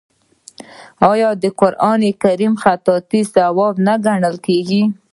آیا د قران کریم خطاطي ثواب نه ګڼل کیږي؟